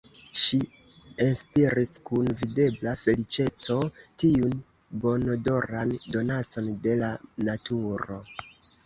Ŝi enspiris kun videbla feliĉeco tiun bonodoran donacon de la naturo.